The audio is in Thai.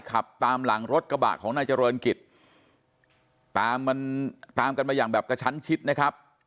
ขับตามหลังรถกระบะของนายเจริญกิจตามมันตามกันมาอย่างแบบกระชั้นชิดนะครับ